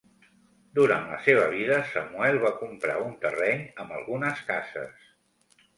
Durant la seva vida, Samuel va comprar un terreny amb algunes cases.